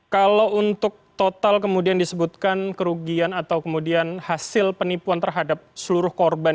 kalau untuk total kemudian disebutkan kerugian atau kemudian hasil penipuan terhadap seluruh korban